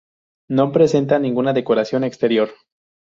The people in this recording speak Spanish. No presenta ninguna decoración exterior.